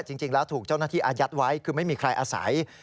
จริงแล้วถูกเจ้าหน้าที่อายัดไว้คือไม่มีใครอาศัย